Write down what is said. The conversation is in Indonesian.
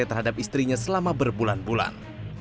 terhadap istrinya selama berbulan bulan